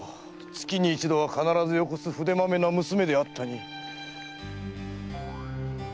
月に一度は必ず寄こす筆まめな娘であったのに。